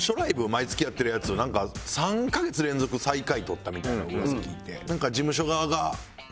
毎月やってるやつなんか３カ月連続最下位取ったみたいな噂を聞いて。